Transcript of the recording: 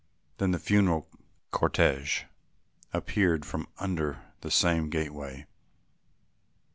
Then the funeral cortège appeared from under the same gateway.